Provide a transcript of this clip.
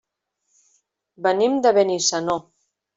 Venim de Benissanó.